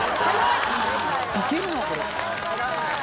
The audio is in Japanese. いけるなこれ。